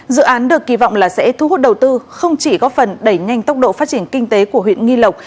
dự án được kỳ vọng là sẽ thu hút đầu tư không chỉ góp phần đẩy nhanh tốc độ phát triển kinh tế của huyện nghi lộc